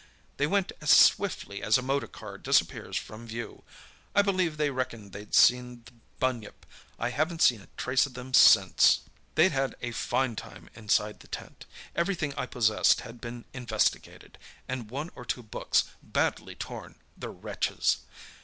They went as swiftly as a motor car disappears from view—I believe they reckoned they'd seen the bunyip. I haven't seen a trace of them since. "They'd had a fine time inside the tent. Everything I possessed had been investigated, and one or two books badly torn—the wretches!"